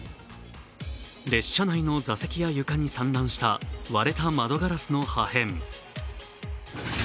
列車内の座席や床に散乱した割れた窓ガラスの破片。